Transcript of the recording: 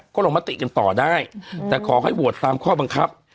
ก็ลงมติกันต่อได้แต่ขอให้โหวตตามข้อบังคับ